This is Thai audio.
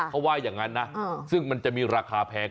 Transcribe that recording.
เขาว่าอย่างนั้นนะซึ่งมันจะมีราคาแพง